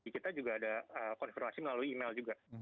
kita juga ada konfirmasi melalui email juga